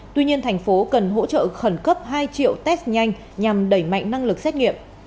tuy nhiên tp cần hỗ trợ khẩn cấp hai triệu test nhanh nhằm đẩy mạnh năng lực xét nghiệm